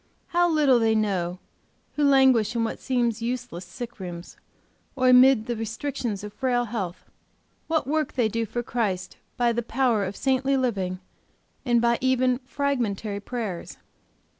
How little they know who languish in what seems useless sick rooms, or amid the restrictions of frail health, what work they do for Christ by the power of saintly living, and by even fragmentary prayers.